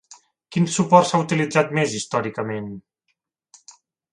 Quin suport s'ha utilitzat més històricament?